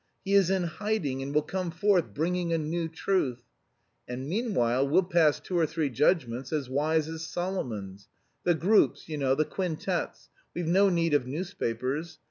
He is 'in hiding,' and will come forth bringing a new truth. And, meanwhile, we'll pass two or three judgments as wise as Solomon's. The groups, you know, the quintets we've no need of newspapers.